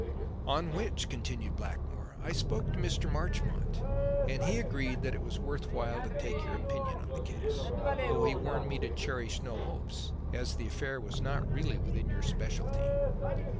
"On which," continued Blackmore, "I spoke to Mr. Marchmont and he agreed that it was worth while to take your opinion on the case, though he warned me to cherish no hopes, as the affair was not really within your specialty."